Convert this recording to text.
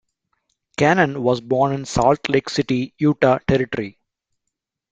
Cannon was born in Salt Lake City, Utah Territory.